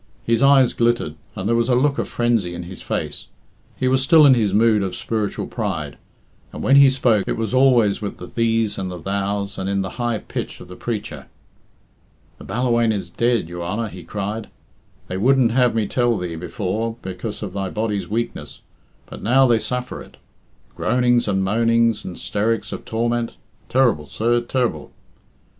His eyes glittered, and there was a look of frenzy in his face. He was still in his mood of spiritual pride, and when he spoke it was always with the thees and the thous and in the high pitch of the preacher. "The Ballawhaine is dead, your Honour," he cried, "They wouldn't have me tell thee before because of thy body's weakness, but now they suffer it. Groanings and moanings and 'stericks of torment! Ter'ble sir, ter'ble!